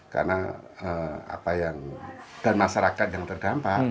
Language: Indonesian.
karena apa yang dan masyarakat yang terdampak